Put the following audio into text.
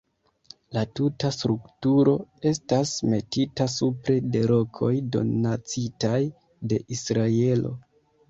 La tuta strukturo estas metita supre de rokoj donacitaj de Israelo.